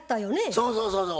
そうそうそうそう。